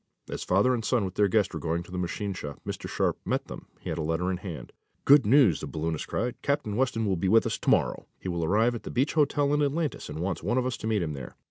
As father and son, with their guest, were going to the machine shop, Mr. Sharp met them. He had a letter in his hand. "Good news!" the balloonist cried. "Captain Weston will be with us to morrow. He will arrive at the Beach Hotel in Atlantis, and wants one of us to meet him there.